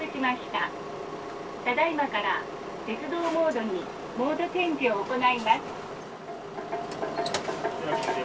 ただ今から、鉄道モードにモードチェンジを行います。